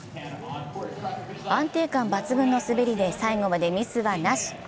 安定感抜群の滑りで最後までミスはなし。